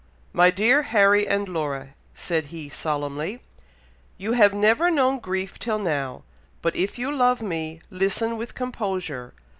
"My dear Harry and Laura!" said he solemnly, "you have never known grief till now, but if you love me, listen with composure.